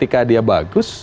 karena dia bagus